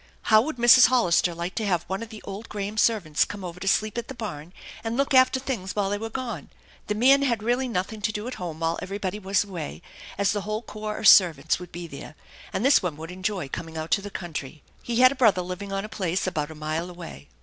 How would Mrs. Hollister like to have one of the old Graham servants come over to sleep at the barn and look after things while they were gone ? The man had really nothing to do at home while everybody was away, as the whole corps of servants would be there, and this one would enjoy coming out to the country. He had a brother living on a place about a mile away.